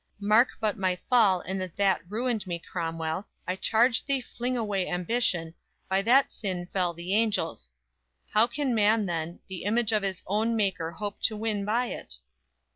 Mark but my fall, and that that ruined me, Cromwell, I charge thee fling away ambition, By that sin fell the angels; how can man then, The image of his own maker hope to win by it?